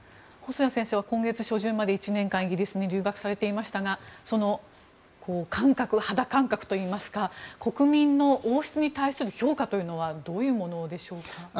細谷先生は今月初旬まで１年間イギリスに留学されていましたがその肌感覚といいますか国民の王室に対する評価はどういうものでしょうか。